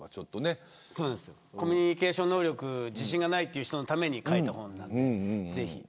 コミュニケーション能力に自信がない人のために書いた本なんで、ぜひ。